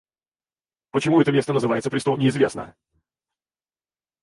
Почему это место называется престол, неизвестно.